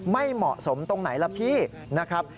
ไม่เหมาะสมตรงไหนล่ะพี่นะครับ